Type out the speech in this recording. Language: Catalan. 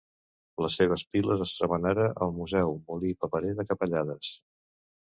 Les seves piles es troben ara al Museu Molí Paperer de Capellades.